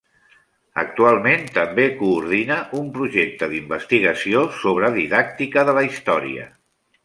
Actualment, també coordina un projecte d'investigació sobre didàctica de la història.